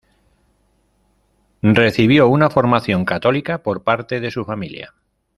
Recibió una formación católica por parte de su familia.